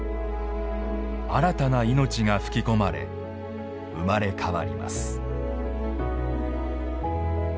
新たな命が吹きこまれ生まれ変わります。